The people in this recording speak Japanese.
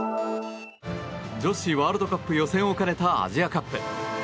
女子ワールドカップ予選を兼ねたアジアカップ。